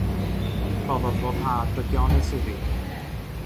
Rhoddodd foddhad drygionus iddi.